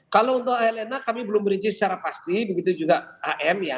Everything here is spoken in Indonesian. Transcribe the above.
kalau untuk lna kami belum merinci secara pasti begitu juga am ya